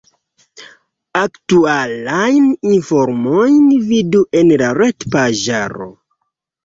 Aktualajn informojn vidu en la retpaĝaro.